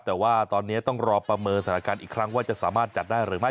แต่ว่าตอนนี้ต้องรอประเมินสถานการณ์อีกครั้งว่าจะสามารถจัดได้หรือไม่